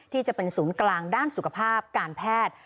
ที่จะเป็นศูนย์กลางด้านสุขภาพการแพทย์